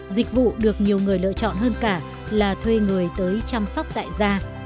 dịch vụ được nhiều người lựa chọn hơn cả là thuê người tới chăm sóc tại da